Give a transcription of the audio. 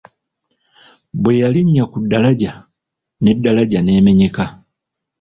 Bwe yalinnya ku daraja N'edaraja n'emenyeka!